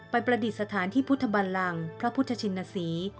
ประดิษฐานที่พุทธบันลังพระพุทธชินศรี